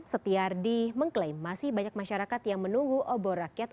setiardi mengklaim masih banyak masyarakat yang menunggu obor rakyat